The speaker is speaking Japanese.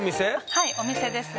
はいお店です。